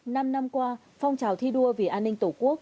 năm năm qua phong trào thi đua vì an ninh tổ quốc